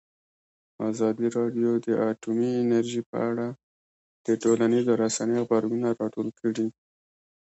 ازادي راډیو د اټومي انرژي په اړه د ټولنیزو رسنیو غبرګونونه راټول کړي.